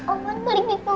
oma mau pergi kemana oma